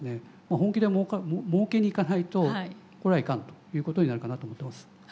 本気で儲けにいかないとこりゃいかんということになるかなと思ってます。